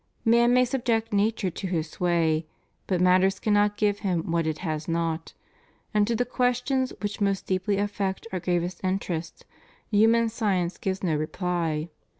Man may subject nature to his sway, but matter cannot give him what it has not, and to the questions which most deeply affect our gravest interests human science gives no reply.